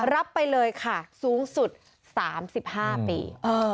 รับไปเลยค่ะสูงสุด๓๕ปี